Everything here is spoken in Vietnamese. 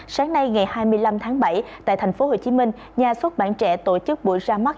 sáng nay ngày hai mươi năm tháng bảy tại thành phố hồ chí minh nhà xuất bản trẻ tổ chức buổi ra mắt